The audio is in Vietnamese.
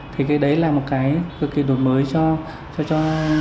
thì cái đấy là một cái cực kỳ đổi mới cho